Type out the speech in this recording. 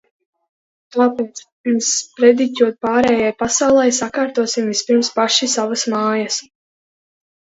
Tāpēc, pirms sprediķot pārējai pasaulei, sakārtosim vispirms paši savas mājas.